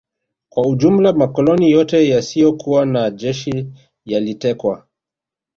Kwa ujumla makoloni yote yasiyokuwa na jeshi yalitekwa